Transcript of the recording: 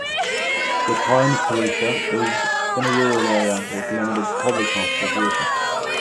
The town of Pallisa is in a rural area with limited public transportation.